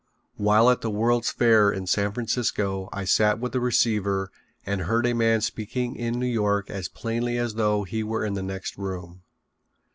While at the World's Fair in San Francisco I sat with a receiver and heard a man speaking in New York as plainly as though he were in the next room.